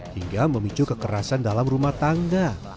hingga memicu kekerasan dalam rumah tangga